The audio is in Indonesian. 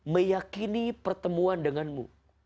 meyakini pertemuan denganmu